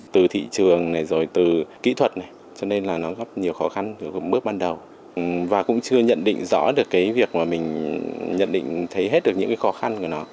từ thị trường này rồi từ kỹ thuật này cho nên là nó góp nhiều khó khăn từ bước ban đầu và cũng chưa nhận định rõ được cái việc mà mình nhận định thấy hết được những cái khó khăn của nó